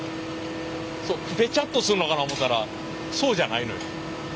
ベチャっとすんのかな思ったらそうじゃないのよ。